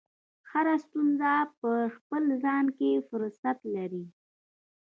هره ستونزه په خپل ځان کې فرصت لري.